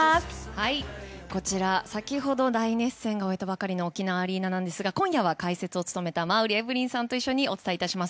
こちら、先ほど大熱戦を終えたばかりの沖縄アリーナですが今夜は解説を務めた馬瓜エブリンさんと一緒にお伝えいたします。